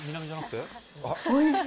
おいしい。